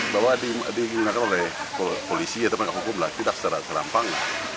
bahwa digunakan oleh polisi atau penegak hukum lah tidak secara serampang